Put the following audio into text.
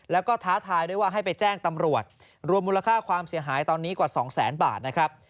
แล้วก็ท้าทายด้วยว่าให้ไปแจ้งตำรวจรวมมูลค่าความเสียหายตอนนี้กว่าสองแสนบาทนะครับ